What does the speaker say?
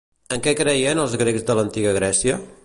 En què creien els grecs de l'Antiga Grècia?